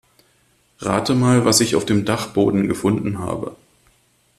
Rate mal, was ich auf dem Dachboden gefunden habe.